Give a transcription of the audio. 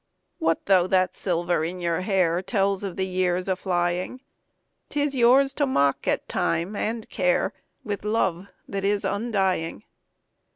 What though that silver in your hair Tells of the years aflying? 'T is yours to mock at Time and Care With love that is undying.